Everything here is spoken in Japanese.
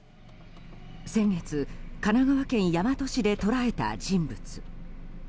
先月、神奈川県大和市で捉えた人物。